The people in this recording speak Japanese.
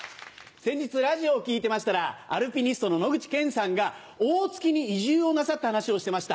先日ラジオを聴いてましたらアルピニストの野口健さんが大月に移住をなさった話をしてました。